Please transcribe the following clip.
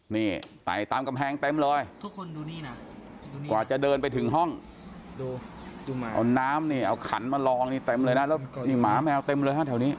นี่ไต่ตามกำแพงเต็มเลยทุกคนดูนี่นะกว่าจะเดินไปถึงห้องดูเอาน้ำนี่เอาขันมาลองนี่เต็มเลยนะแล้วนี่หมาแมวเต็มเลยฮะแถวนี้